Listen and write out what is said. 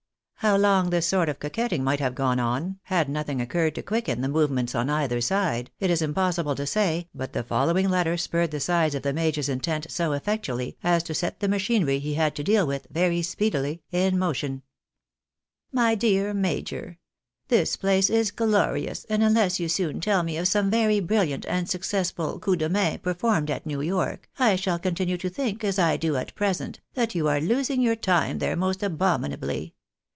How long this sort of coquetting might have gone on, had nothing occurred to quicken the movements on either side, it is impossible to say, but the following letter spurred the sides of the major's intent so effectually, as to set the machinery he had to deal with, very speedily in motion :—" My deak Major, — This place is glorious, and unless you soon tell me of some very brilliant and successful coup de main performed at New York, I shall continue to think, as I do at present, that you are losing your time there most abominably.